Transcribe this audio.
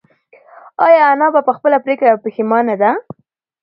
ایا انا په خپله پرېکړه پښېمانه ده؟